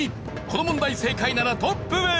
この問題正解ならトップへ。